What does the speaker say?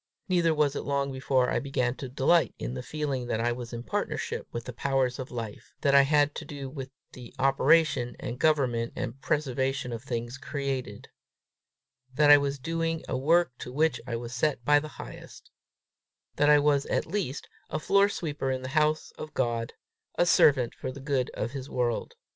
Neither was it long before I began to delight in the feeling that I was in partnership with the powers of life; that I had to do with the operation and government and preservation of things created; that I was doing a work to which I was set by the Highest; that I was at least a floor sweeper in the house of God, a servant for the good of his world.